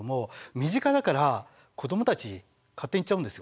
身近だから子どもたち勝手に行っちゃうんですよ。